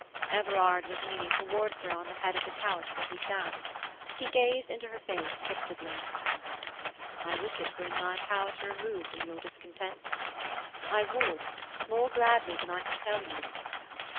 Everard was leaning towards her on the head of the couch where he sat. He gazed into her face fixedly. "I wish it were in my power to remove some of your discontents. I would, more gladly than I can tell you."